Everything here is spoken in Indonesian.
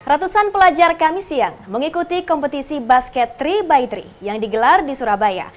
ratusan pelajar kami siang mengikuti kompetisi basket tiga x tiga yang digelar di surabaya